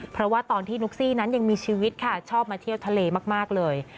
เพราะว่าตอนที่นุ๊กซี่นั้นยังมีชีวิตค่ะชอบมาเที่ยวทะเลมากเลย